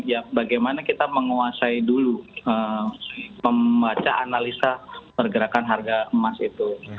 ya bagaimana kita menguasai dulu membaca analisa pergerakan harga emas itu